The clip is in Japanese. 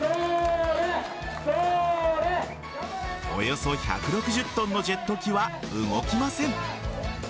およそ１６０ｔのジェット機は動きません。